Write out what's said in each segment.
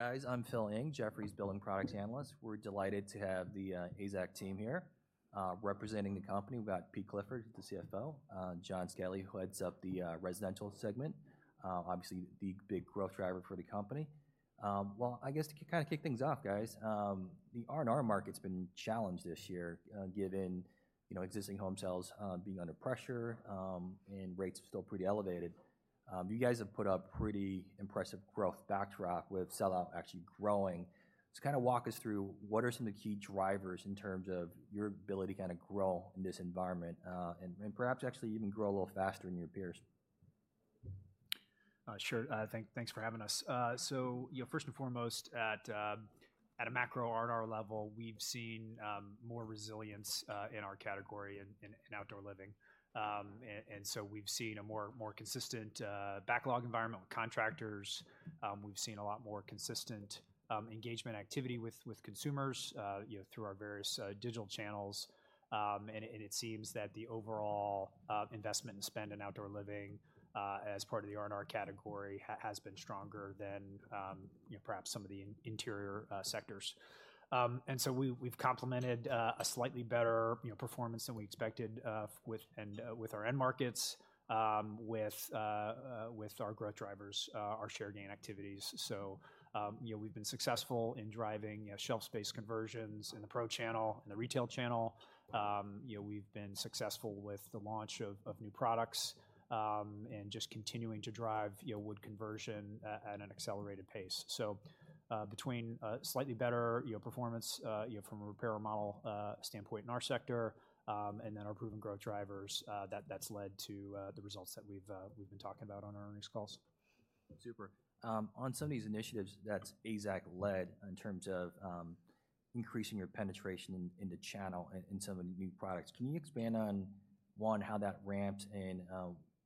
Guys, I'm Phil Ng, Jefferies Building Products Analyst. We're delighted to have the AZEK team here. Representing the company, we've got Pete Clifford, the CFO, Jon Skelly, who heads up the Residential segment, obviously the big growth driver for the company. Well, I guess to kind of kick things off, guys, the R&R market's been challenged this year, given, you know, existing home sales being under pressure, and rates are still pretty elevated. You guys have put up pretty impressive growth backdrop with sell-out actually growing. Just kind of walk us through what are some of the key drivers in terms of your ability to kind of grow in this environment, and perhaps actually even grow a little faster than your peers? Sure. Thanks for having us. So, you know, first and foremost, at a macro R&R level, we've seen more resilience in our category in outdoor living. And so we've seen a more consistent backlog environment with contractors. We've seen a lot more consistent engagement activity with consumers, you know, through our various digital channels. And it seems that the overall investment and spend in outdoor living as part of the R&R category has been stronger than, you know, perhaps some of the interior sectors. And so we've complemented a slightly better, you know, performance than we expected with our end markets with our growth drivers, our share gain activities. So, you know, we've been successful in driving, you know, shelf space conversions in the pro channel and the retail channel. You know, we've been successful with the launch of new products, and just continuing to drive, you know, wood conversion at an accelerated pace. So, between slightly better, you know, performance, you know, from a repair and remodel standpoint in our sector, and then our proven growth drivers, that that's led to the results that we've we've been talking about on our earnings calls. Super. On some of these initiatives that AZEK led in terms of increasing your penetration in the channel and in some of the new products, can you expand on, one, how that ramped and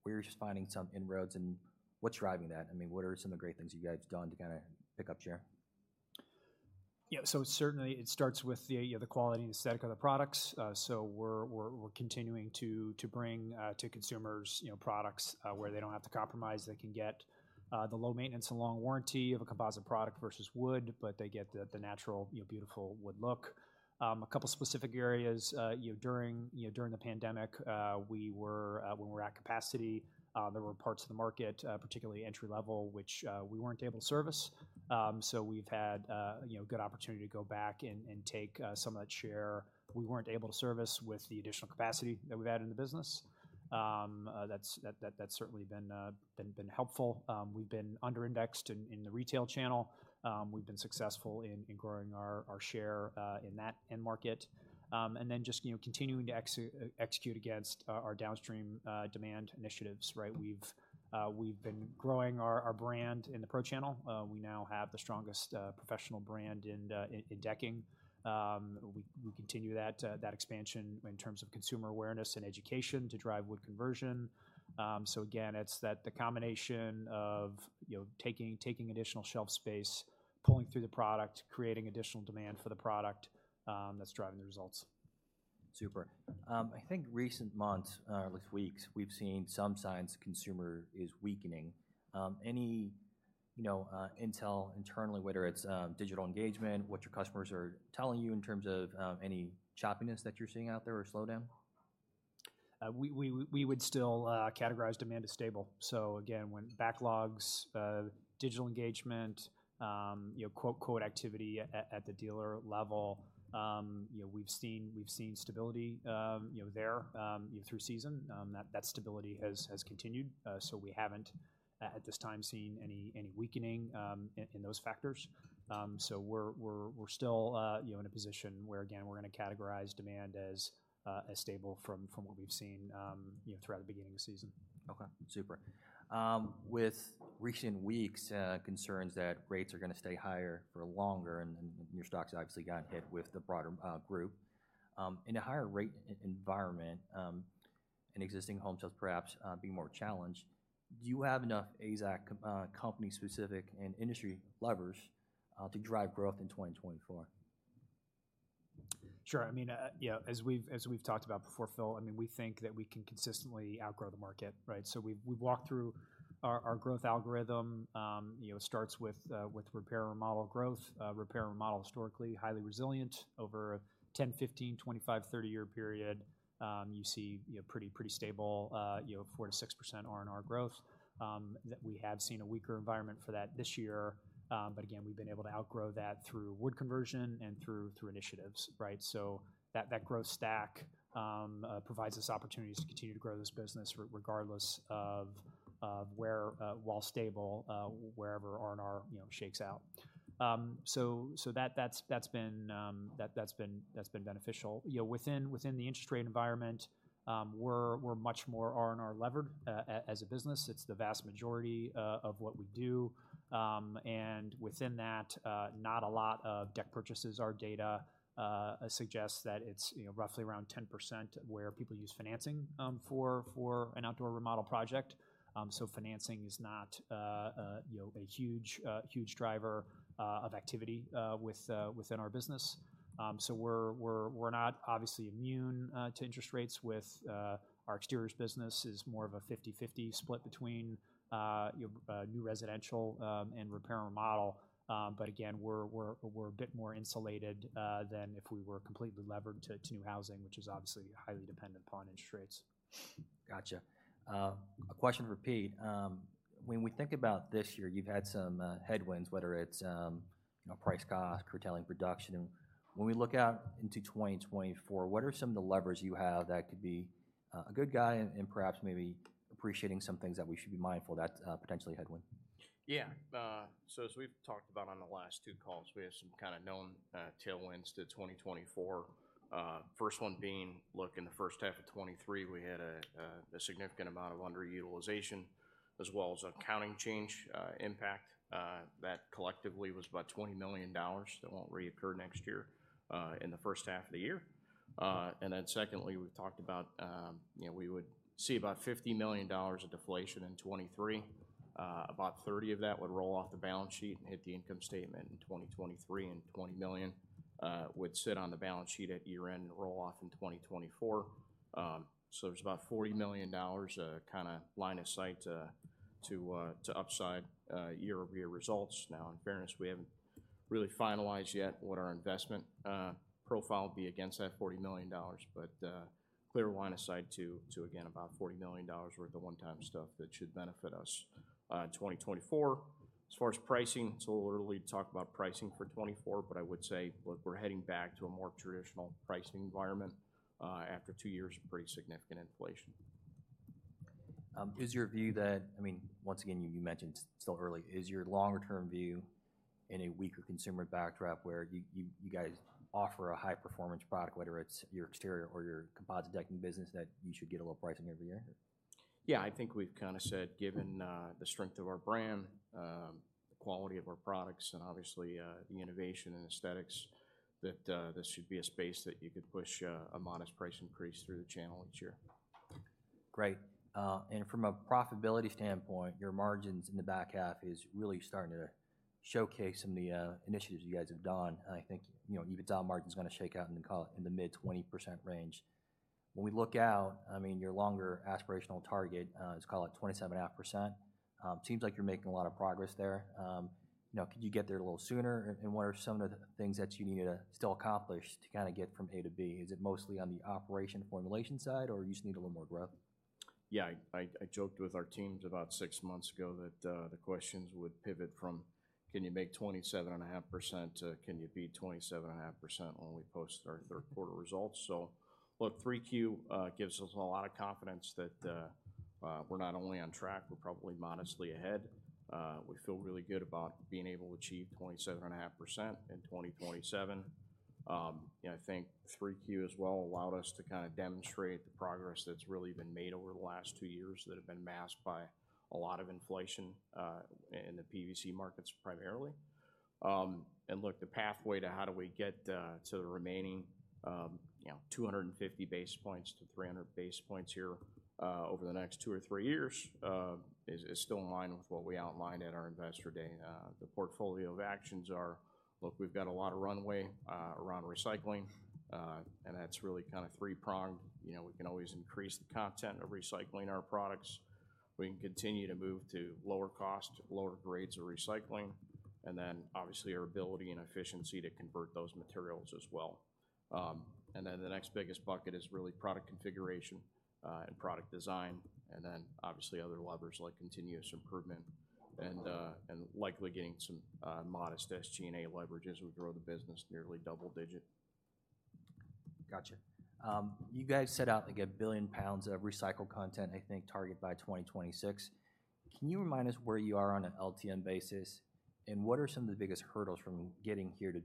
where you're just finding some inroads, and what's driving that? I mean, what are some of the great things you guys have done to kind of pick up share? Yeah, so certainly it starts with the quality and aesthetic of the products. So we're continuing to bring to consumers, you know, products where they don't have to compromise. They can get the low maintenance and long warranty of a composite product versus wood, but they get the natural, you know, beautiful wood look. A couple specific areas, you know, during the pandemic, we were at capacity, there were parts of the market, particularly entry-level, which we weren't able to service. So we've had, you know, good opportunity to go back and take some of that share we weren't able to service with the additional capacity that we've had in the business. That's certainly been helpful. We've been under-indexed in the retail channel. We've been successful in growing our share in that end market. And then just, you know, continuing to execute against our downstream demand initiatives, right? We've been growing our brand in the pro channel. We now have the strongest professional brand in decking. We continue that expansion in terms of consumer awareness and education to drive wood conversion. So again, it's that the combination of, you know, taking additional shelf space, pulling through the product, creating additional demand for the product, that's driving the results. Super. I think recent months or weeks, we've seen some signs consumer is weakening. Any, you know, intel internally, whether it's digital engagement, what your customers are telling you in terms of any choppiness that you're seeing out there or slowdown? We would still categorize demand as stable. So again, when backlogs, digital engagement, you know, quote activity at the dealer level, you know, we've seen stability, you know, there through season. That stability has continued. So we haven't, at this time, seen any weakening in those factors. So we're still, you know, in a position where, again, we're gonna categorize demand as stable from what we've seen, you know, throughout the beginning of the season. Okay, super. In recent weeks, concerns that rates are gonna stay higher for longer, and then your stocks obviously got hit with the broader group. In a higher rate environment, and existing home sales perhaps being more challenged, do you have enough AZEK company-specific and industry levers to drive growth in 2024? Sure. I mean, you know, as we've talked about before, Phil, I mean, we think that we can consistently outgrow the market, right? So we've walked through our growth algorithm, you know, it starts with repair and remodel growth. Repair and remodel, historically, highly resilient. Over a 10, 15, 25, 30-year period, you see, you know, pretty stable, you know, 4%-6% R&R growth. That we have seen a weaker environment for that this year, but again, we've been able to outgrow that through wood conversion and through initiatives, right? So that growth stack provides us opportunities to continue to grow this business regardless of where while stable, wherever R&R, you know, shakes out. So that's been beneficial. You know, within the interest rate environment, we're much more R&R levered as a business. It's the vast majority of what we do. And within that, not a lot of deck purchases. Our data suggests that it's you know roughly around 10% where people use financing for an outdoor remodel project. So financing is not you know a huge driver of activity within our business. So we're not obviously immune to interest rates with our exteriors business is more of a 50/50 split between you know new residential and repair and remodel. But again, we're a bit more insulated than if we were completely levered to new housing, which is obviously highly dependent upon interest rates. Gotcha. A question for Pete. When we think about this year, you've had some headwinds, whether it's a price cost, curtailing production. When we look out into 2024, what are some of the levers you have that could be a good guide and perhaps maybe appreciating some things that we should be mindful that potentially headwind? Yeah, so as we've talked about on the last two calls, we have some kinda known tailwinds to 2024. First one being, look, in the first half of 2023, we had a significant amount of underutilization as well as an accounting change impact. That collectively was about $20 million. That won't reoccur next year, in the first half of the year. And then secondly, we've talked about, you know, we would see about $50 million of deflation in 2023. About 30 of that would roll off the balance sheet and hit the income statement in 2023, and $20 million would sit on the balance sheet at year-end and roll off in 2024. So there's about $40 million, kinda line of sight, to upside year-over-year results. Now, in fairness, we haven't really finalized yet what our investment profile would be against that $40 million, but, clear line of sight to, again, about $40 million worth of one-time stuff that should benefit us, in 2024. As far as pricing, it's a little early to talk about pricing for 2024, but I would say, look, we're heading back to a more traditional pricing environment, after two years of pretty significant inflation. Is your view that, I mean, once again, you guys offer a high-performance product, whether it's your exterior or your composite decking business, that you should get a little pricing every year? Yeah, I think we've kinda said, given the strength of our brand, the quality of our products, and obviously the innovation and aesthetics, that this should be a space that you could push a modest price increase through the channel each year. Great. And from a profitability standpoint, your margins in the back half is really starting to showcase some of the initiatives you guys have done. And I think, you know, EBITDA margin's gonna shake out in the, call it, in the mid-20% range. When we look out, I mean, your longer aspirational target, let's call it 27.5%. Seems like you're making a lot of progress there. You know, could you get there a little sooner, and what are some of the things that you need to still accomplish to kinda get from A to B? Is it mostly on the operation formulation side, or you just need a little more growth? Yeah, I joked with our teams about six months ago that the questions would pivot from: Can you make 27.5% to can you beat 27.5% when we post our third quarter results? So look, 3Q gives us a lot of confidence that we're not only on track, we're probably modestly ahead. We feel really good about being able to achieve 27.5% in 2027. You know, I think 3Q as well allowed us to kinda demonstrate the progress that's really been made over the last two years that have been masked by a lot of inflation in the PVC markets primarily. And look, the pathway to how do we get to the remaining, you know, 250 basis points to 300 basis points here, over the next two or three years, is still in line with what we outlined at our Investor Day. The portfolio of actions are... Look, we've got a lot of runway around recycling, and that's really kinda three-pronged. You know, we can always increase the content of recycling our products. We can continue to move to lower cost, lower grades of recycling, and then obviously, our ability and efficiency to convert those materials as well. And then the next biggest bucket is really product configuration, and product design, and then obviously other levers like continuous improvement and likely getting some modest SG&A leverage as we grow the business nearly double-digit. Gotcha. You guys set out to get a billion pounds of recycled content, I think, target by 2026. Can you remind us where you are on an LTM basis, and what are some of the biggest hurdles from getting here to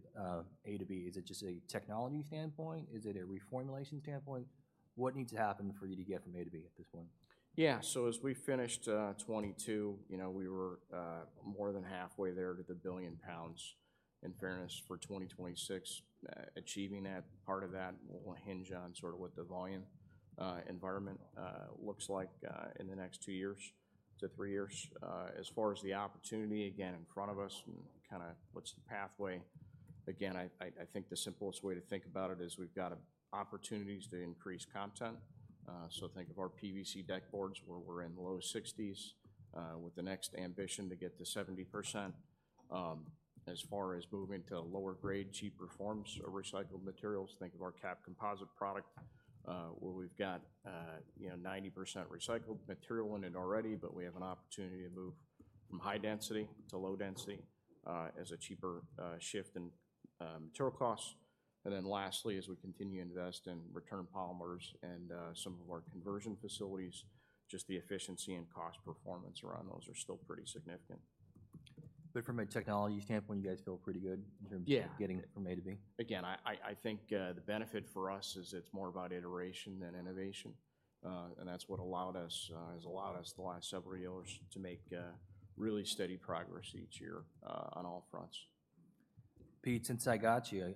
A to B? Is it just a technology standpoint? Is it a reformulation standpoint? What needs to happen for you to get from A to B at this point? Yeah, so as we finished 2022, you know, we were more than halfway there to the 1 billion pounds, in fairness, for 2026. Achieving that, part of that will hinge on sort of what the volume environment looks like in the next two years to three years. As far as the opportunity, again, in front of us and kinda what's the pathway, again, I think the simplest way to think about it is we've got opportunities to increase content. So think of our PVC deck boards, where we're in the low 60s, with the next ambition to get to 70%. As far as moving to lower grade, cheaper forms of recycled materials, think of our capped composite product, where we've got, you know, 90% recycled material in it already, but we have an opportunity to move from high density to low density, as a cheaper, shift in, material costs. And then lastly, as we continue to invest in Return Polymers and, some of our conversion facilities, just the efficiency and cost performance around those are still pretty significant. But from a technology standpoint, you guys feel pretty good in terms of- Yeah... getting it from A to B? Again, I think, the benefit for us is it's more about iteration than innovation. And that's what allowed us, has allowed us the last several years to make, really steady progress each year, on all fronts. Pete, since I got you,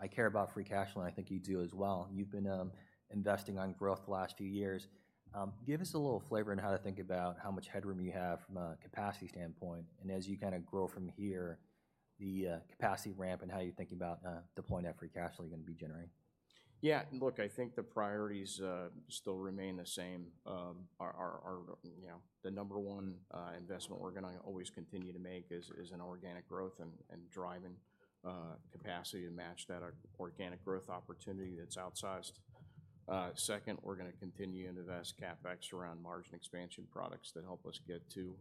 I care about free cash flow, and I think you do as well. You've been investing on growth the last few years. Give us a little flavor on how to think about how much headroom you have from a capacity standpoint, and as you kinda grow from here, the capacity ramp and how you're thinking about deploying that free cash flow you're gonna be generating. Yeah, look, I think the priorities still remain the same. Our you know, the number one investment we're gonna always continue to make is in organic growth and driving capacity to match that organic growth opportunity that's outsized. Second, we're gonna continue to invest CapEx around margin expansion products that help us get to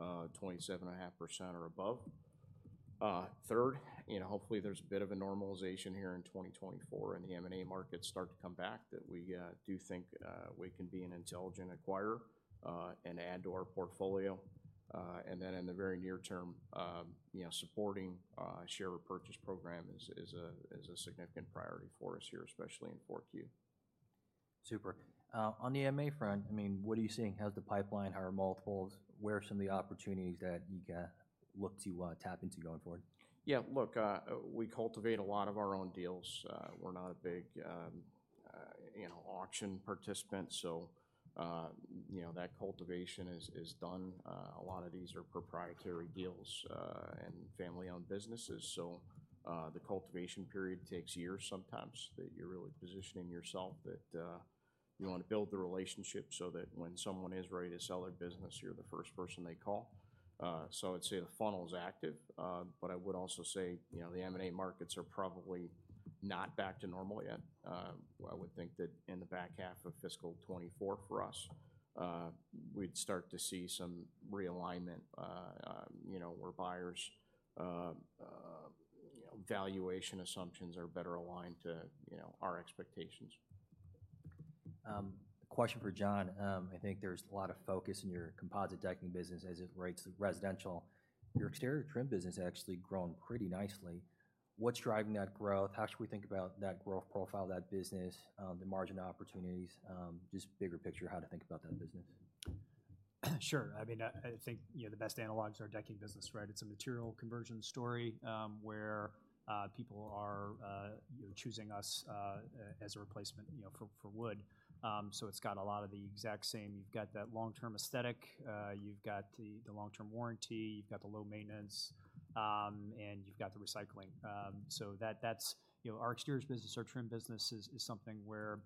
27.5% or above. Third, you know, hopefully, there's a bit of a normalization here in 2024, and the M&A markets start to come back, that we do think we can be an intelligent acquirer and add to our portfolio. And then in the very near term, you know, supporting share repurchase program is a significant priority for us here, especially in 4Q. Super. On the M&A front, I mean, what are you seeing? How's the pipeline, higher multiples? Where are some of the opportunities that you look to tap into going forward? Yeah, look, we cultivate a lot of our own deals. We're not a big, you know, auction participant, so, you know, that cultivation is, is done. A lot of these are proprietary deals, and family-owned businesses, so, the cultivation period takes years sometimes, that you're really positioning yourself, that, you want to build the relationship so that when someone is ready to sell their business, you're the first person they call. So I'd say the funnel is active, but I would also say, you know, the M&A markets are probably not back to normal yet. I would think that in the back half of fiscal 2024 for us, we'd start to see some realignment, you know, where buyers', you know, valuation assumptions are better aligned to, you know, our expectations. A question for Jon. I think there's a lot of focus in your composite decking business as it relates to Residential. Your exterior trim business actually grown pretty nicely. What's driving that growth? How should we think about that growth profile, that business, the margin opportunities? Just bigger picture, how to think about that business. Sure. I mean, I think, you know, the best analogs are decking business, right? It's a material conversion story, where people are, you know, choosing us as a replacement, you know, for wood. So it's got a lot of the exact same... You've got that long-term aesthetic, you've got the long-term warranty, you've got the low maintenance, and you've got the recycling. So that, that's, you know, our exteriors business, our trim business is something where,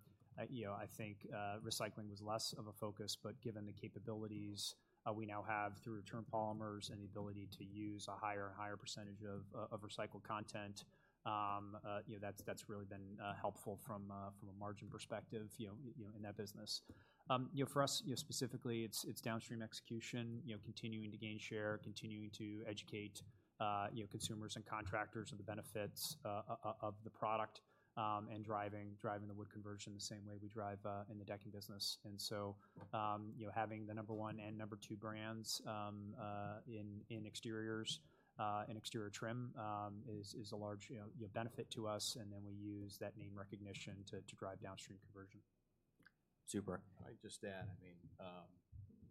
you know, I think, recycling was less of a focus, but given the capabilities, we now have through Return Polymers and the ability to use a higher percentage of recycled content, you know, that's really been helpful from a margin perspective, you know, in that business. You know, for us, you know, specifically, it's downstream execution, you know, continuing to gain share, continuing to educate, you know, consumers and contractors of the benefits of the product, and driving the wood conversion the same way we drive in the decking business. And so, you know, having the number one and number two brands in exteriors and exterior trim is a large, you know, benefit to us, and then we use that name recognition to drive downstream conversion. Super. I'd just add, I mean,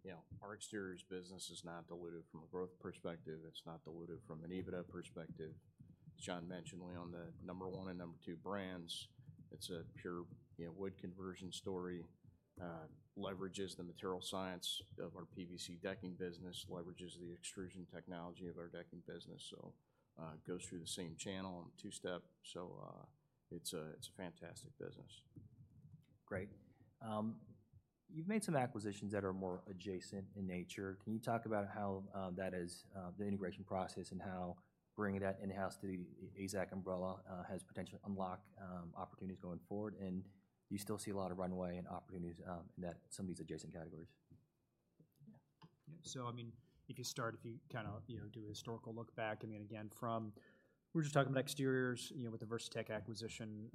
you know, our exteriors business is not diluted from a growth perspective. It's not diluted from an EBITDA perspective. As Jon mentioned, we own the number one and number two brands. It's a pure, you know, wood conversion story, leverages the material science of our PVC decking business, leverages the extrusion technology of our decking business. So, it's a fantastic business. Great. You've made some acquisitions that are more adjacent in nature. Can you talk about how that is the integration process and how bringing that in-house to the AZEK umbrella has potentially unlock opportunities going forward? And do you still see a lot of runway and opportunities in that some of these adjacent categories? Yeah. So I mean, if you start, if you kind of, you know, do a historical look back, I mean, again, from... We're just talking about exteriors, you know, with the Versatex acquisition,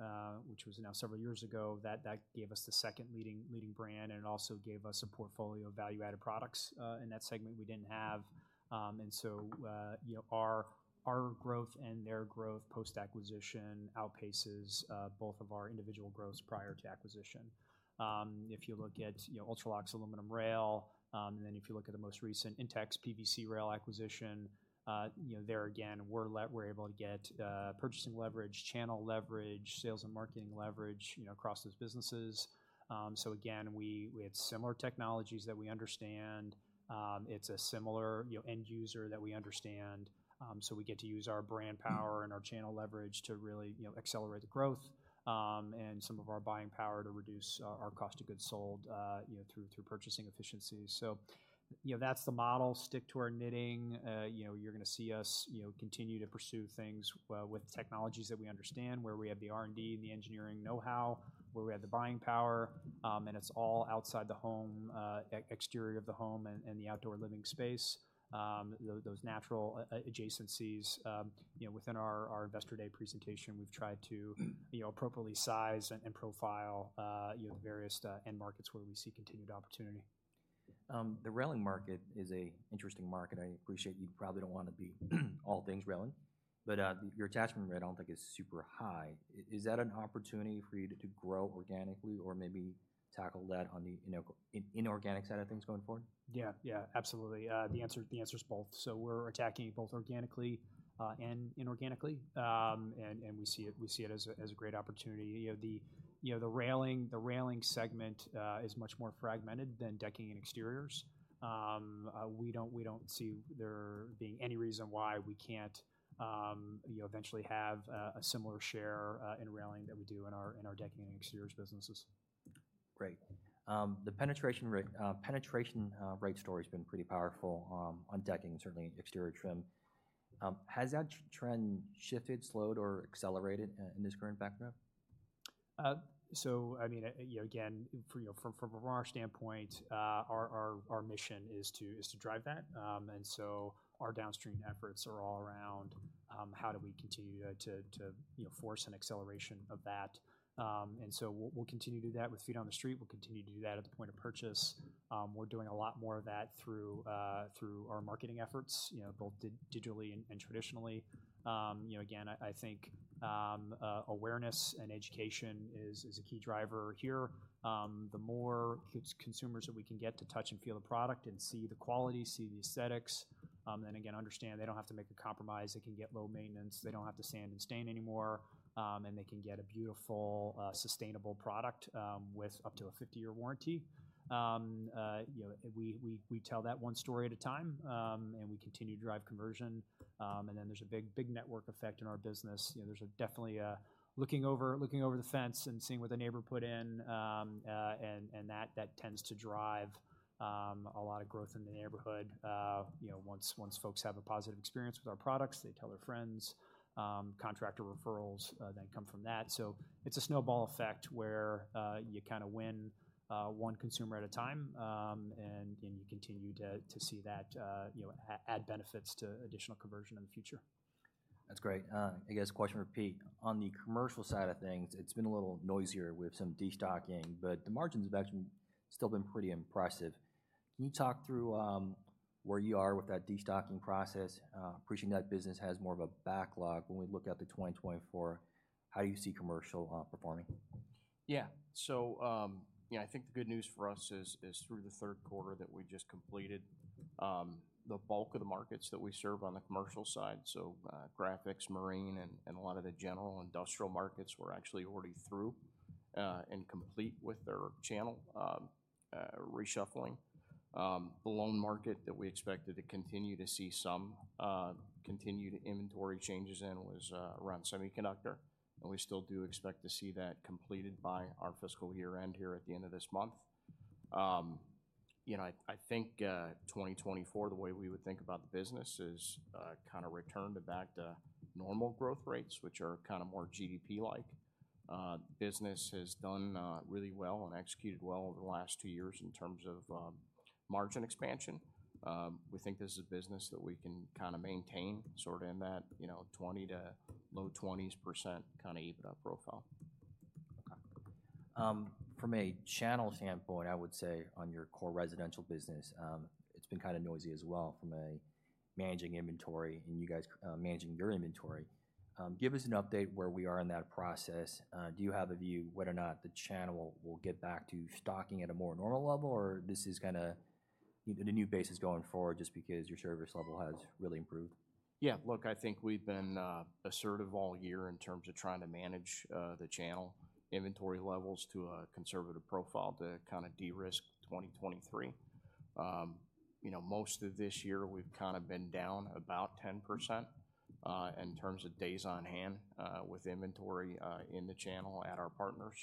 which was now several years ago, that gave us the second-leading brand, and it also gave us a portfolio of value-added products in that segment we didn't have. And so, you know, our growth and their growth post-acquisition outpaces both of our individual growths prior to acquisition. If you look at, you know, Ultralox's aluminum rail, and then if you look at the most recent INTEX PVC rail acquisition, you know, there again, we're able to get purchasing leverage, channel leverage, sales and marketing leverage, you know, across those businesses. So again, we had similar technologies that we understand. It's a similar, you know, end user that we understand. So we get to use our brand power and our channel leverage to really, you know, accelerate the growth, and some of our buying power to reduce our, our cost of goods sold, you know, through purchasing efficiencies. So, you know, that's the model. Stick to our knitting. You know, you're gonna see us, you know, continue to pursue things with technologies that we understand, where we have the R&D and the engineering know-how, where we have the buying power, and it's all outside the home, exterior of the home and the outdoor living space. Those natural adjacencies, you know, within our Investor Day presentation, we've tried to, you know, appropriately size and profile, you know, the various end markets where we see continued opportunity. The railing market is a interesting market. I appreciate you probably don't want to be, all things railing, but, your attachment rate I don't think is super high. Is that an opportunity for you to grow organically or maybe tackle that on the inorganic side of things going forward? Yeah, yeah, absolutely. The answer, the answer is both. So we're attacking it both organically and inorganically. And we see it, we see it as a great opportunity. You know, the railing, the railing segment is much more fragmented than decking and exteriors. We don't, we don't see there being any reason why we can't, you know, eventually have a similar share in railing than we do in our decking and exteriors businesses. Great. The penetration rate story's been pretty powerful on decking and certainly exterior trim. Has that trend shifted, slowed, or accelerated in this current backdrop? So I mean, you know, again, you know, from our standpoint, our mission is to drive that. And so our downstream efforts are all around, how do we continue to, you know, force an acceleration of that? And so we'll continue to do that with feet on the street. We'll continue to do that at the point of purchase. We're doing a lot more of that through our marketing efforts, you know, both digitally and traditionally. You know, again, I think, awareness and education is a key driver here. The more consumers that we can get to touch and feel the product and see the quality, see the aesthetics, and again, understand they don't have to make a compromise. They can get low maintenance. They don't have to sand and stain anymore, and they can get a beautiful, sustainable product, with up to a 50-year warranty. You know, we tell that one story at a time, and we continue to drive conversion. And then there's a big, big network effect in our business. You know, there's definitely a looking over the fence and seeing what the neighbor put in, and that tends to drive a lot of growth in the neighborhood. You know, once folks have a positive experience with our products, they tell their friends. Contractor referrals then come from that. So it's a snowball effect where you kinda win one consumer at a time, and you continue to see that, you know, add benefits to additional conversion in the future. That's great. I guess question for Pete. On the Commercial side of things, it's been a little noisier with some destocking, but the margins have actually still been pretty impressive. Can you talk through, where you are with that destocking process? Appreciating that business has more of a backlog when we look out to 2024, how do you see Commercial, performing? Yeah. So, you know, I think the good news for us is through the third quarter that we just completed, the bulk of the markets that we serve on the Commercial side, so, graphics, marine, and a lot of the general industrial markets, we're actually already through and complete with their channel reshuffling. The lone market that we expected to continue to see some continued inventory changes in was around semiconductor, and we still do expect to see that completed by our fiscal year-end here at the end of this month. You know, I think, 2024, the way we would think about the business is kinda return back to normal growth rates, which are kinda more GDP-like. Business has done really well and executed well over the last two years in terms of margin expansion. We think this is a business that we can kinda maintain sorta in that, you know, 20%-low 20s% kinda EBITDA profile. Okay. From a channel standpoint, I would say on your core Residential business, it's been kinda noisy as well from a managing inventory and you guys managing your inventory. Give us an update where we are in that process. Do you have a view whether or not the channel will get back to stocking at a more normal level, or this is gonna be the new basis going forward just because your service level has really improved? Yeah, look, I think we've been assertive all year in terms of trying to manage the channel inventory levels to a conservative profile to kinda de-risk 2023. You know, most of this year, we've kinda been down about 10% in terms of days on hand with inventory in the channel at our partners.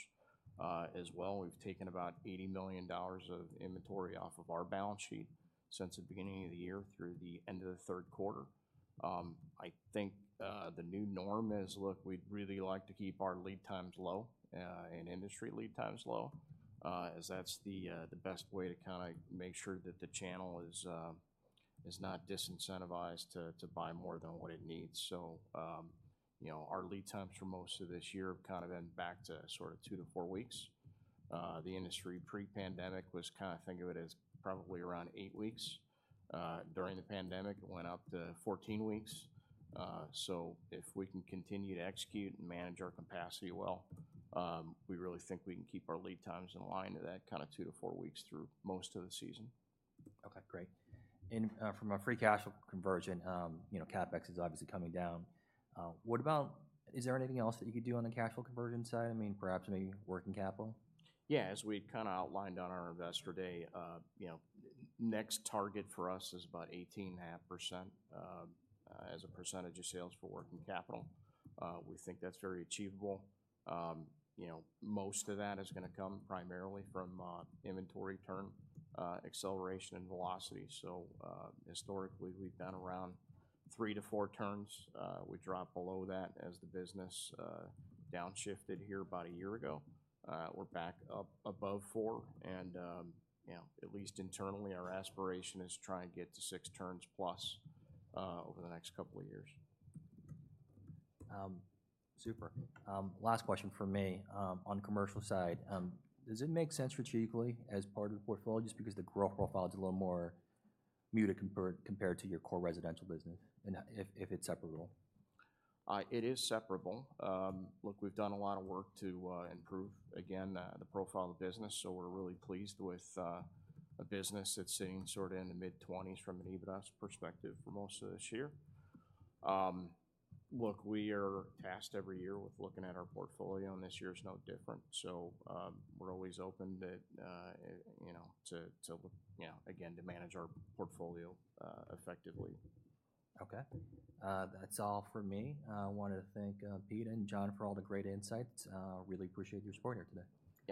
As well, we've taken about $80 million of inventory off of our balance sheet since the beginning of the year through the end of the third quarter. I think the new norm is, look, we'd really like to keep our lead times low and industry lead times low as that's the best way to kinda make sure that the channel is not disincentivized to buy more than what it needs. You know, our lead times for most of this year have kinda been back to sorta two to four weeks. The industry pre-pandemic was kinda think of it as probably around eight weeks. During the pandemic, it went up to 14 weeks. So if we can continue to execute and manage our capacity well, we really think we can keep our lead times in line to that kinda two to four weeks through most of the season. Okay, great. From a free cash flow conversion, you know, CapEx is obviously coming down. What about... Is there anything else that you could do on the cash flow conversion side? I mean, perhaps maybe working capital? Yeah, as we'd kinda outlined on our Investor Day, you know, next target for us is about 18.5%, as a percentage of sales for working capital. We think that's very achievable. You know, most of that is gonna come primarily from inventory turn acceleration, and velocity. So, historically, we've been around three to four turns. We dropped below that as the business downshifted here about a year ago. We're back up above four, and, you know, at least internally, our aspiration is to try and get to six turns plus, over the next couple of years. Super. Last question from me, on Commercial side. Does it make sense strategically as part of the portfolio just because the growth profile is a little more muted compared to your core Residential business, and if it's separable? It is separable. Look, we've done a lot of work to improve, again, the profile of the business, so we're really pleased with a business that's sitting sorta in the mid-twenties from an EBITDA perspective for most of this year. Look, we are tasked every year with looking at our portfolio, and this year is no different. So, we're always open that, you know, to, to, you know, again, to manage our portfolio, effectively. Okay. That's all for me. I wanted to thank Pete and Jon for all the great insights. Really appreciate your support here today.